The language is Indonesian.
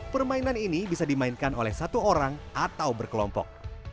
permainan ini bisa dimainkan oleh satu orang atau berkelompok